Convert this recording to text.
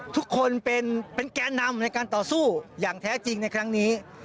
ทุกคนเป็นแก่นำในการต่อสู้อย่างแท้จริงในครั้งนี้